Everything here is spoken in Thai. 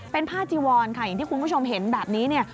เป็นผ้าจีวอนค่ะอย่างที่คุณผู้ชมเห็นแบบนี้เนี่ย